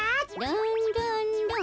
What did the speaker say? ルンルンルン。